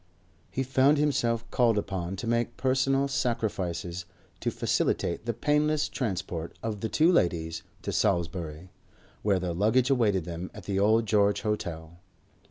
He found himself called upon to make personal sacrifices to facilitate the painless transport of the two ladies to Salisbury, where their luggage awaited them at the Old George Hotel.